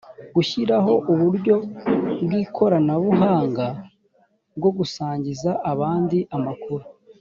gushyiraho uburyo bw ikoranabuhanga bwo gusangiza abandi amakuru